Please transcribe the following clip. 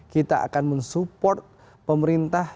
kita akan mensupport pemerintah